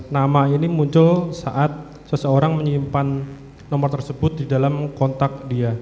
nama ini muncul saat seseorang menyimpan nomor tersebut di dalam kontak dia